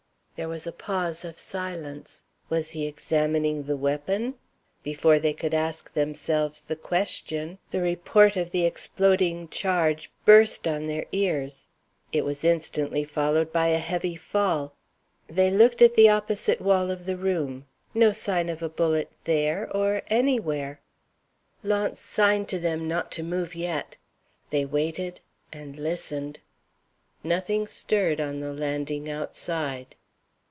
There was a pause of silence. Was he examining the weapon? Before they could ask themselves the question, the report of the exploding charge burst on their ears. It was instantly followed by a heavy fall. They looked at the opposite wall of the room. No sign of a bullet there or anywhere. Launce signed to them not to move yet. They waited, and listened. Nothing stirred on the landing outside.